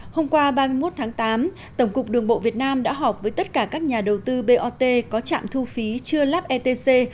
hôm qua ba mươi một tháng tám tổng cục đường bộ việt nam đã họp với tất cả các nhà đầu tư bot có trạm thu phí chưa lắp etc